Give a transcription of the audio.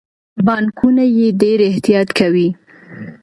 بانکونه یې ډیر احتیاط کوي.